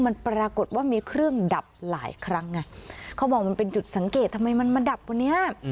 มันปรากฏว่ามีเครื่องดับหลายครั้งไงเขามองมันเป็นจุดสังเกตทำไมมันมาดับคนนี้